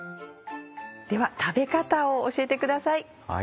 では食べ方を教えてください。